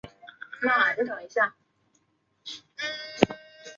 芸香科柑橘类等。